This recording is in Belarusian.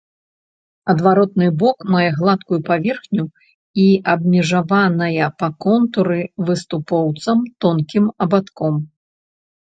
Адваротны бок мае гладкую паверхню і абмежаваная па контуры выступоўцам тонкім абадком.